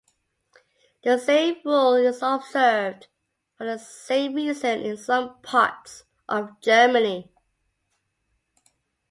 The same rule is observed for the same reason in some parts of Germany.